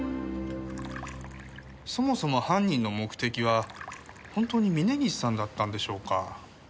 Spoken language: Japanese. そもそも犯人の目的は本当に峰岸さんだったんでしょうか？